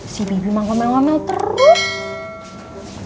si bibi mau ngomel ngomel terus